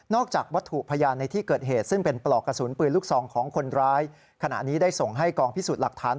นอกจากวัตถุพยานในที่เกิดเหตุ